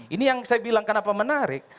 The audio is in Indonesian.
ini yang saya bilang kenapa menarik